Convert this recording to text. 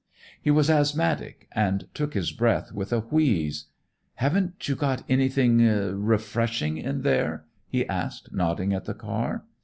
He was asthmatic, and took his breath with a wheeze. 'Haven't you got anything refreshing in there?' he asked, nodding at the car.